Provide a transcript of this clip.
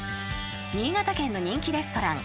［新潟県の人気レストラン］